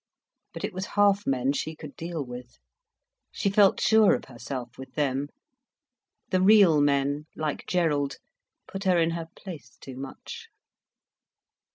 But it was half men she could deal with. She felt sure of herself with them. The real men, like Gerald, put her in her place too much.